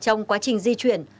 trong quá trình di chuyển